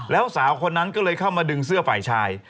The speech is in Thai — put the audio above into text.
แล้วสาวคนนั้นก็เลยเข้ามาดึงเสื้อฝ่ายชาย